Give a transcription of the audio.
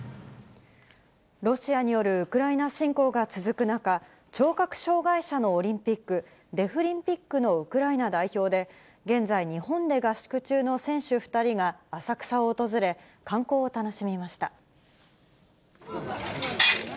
ロシアによるウクライナ侵攻が続く中、聴覚障がい者のオリンピック、デフリンピックのウクライナ代表で、現在、日本で合宿中の選手２人が浅草を訪れ、観光を楽しみました。